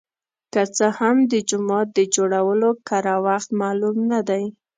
که څه هم د جومات د جوړولو کره وخت معلوم نه دی.